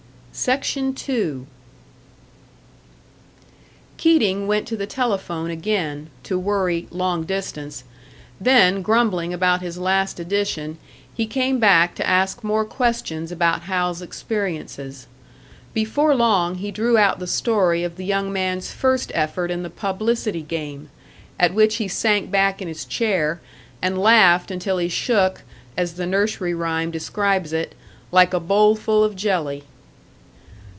Keating went to the telephone again, to worry "long distance"; then, grumbling about his last edition, he came back to ask more questions about Hal's experiences. Before long he drew out the story of the young man's first effort in the publicity game; at which he sank back in his chair, and laughed until he shook, as the nursery rhyme describes it, "like a bowlful of jelly."